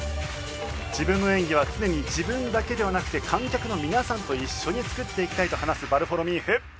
自分の演技は常に自分だけではなくて観客の皆さんと一緒に作っていきたいと話すヴァルフォロミーフ。